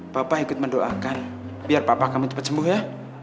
papa ikut mendoakan biar papa kami cepat sembuh ya